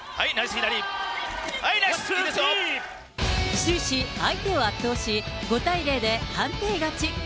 終始、相手を圧倒し、５対０で判定勝ち。